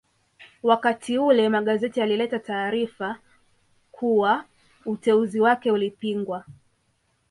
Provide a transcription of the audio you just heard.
Wakati ule magazeti yalileta taarifa kuwa uteuzi wake ulipingwa